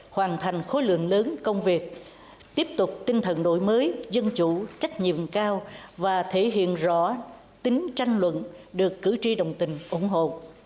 hoàn thành khối lượng lớn công việc tiếp tục tinh thần đổi mới dân chủ trách nhiệm cao và thể hiện rõ tính tranh luận được cử tri đồng tình ủng hộ